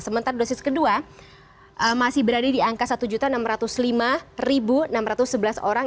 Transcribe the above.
sementara dosis kedua masih berada di angka satu enam ratus lima enam ratus sebelas orang